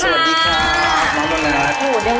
สวัสดีค่ะน้องโดนัท